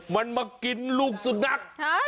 มันมากินลูกสุนัข